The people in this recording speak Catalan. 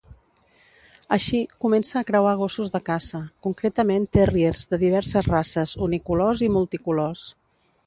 Així, comença a creuar gossos de caça, concretament terriers de diverses races unicolors i multicolors.